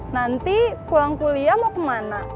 nanti pulang kuliah mau kemana